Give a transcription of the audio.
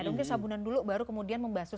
mungkin sabunan dulu baru kemudian membasus